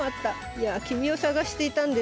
いや君を探していたんですよ。